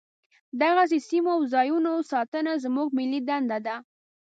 دغسې سیمو او ځاینونو ساتنه زموږ ملي دنده ده.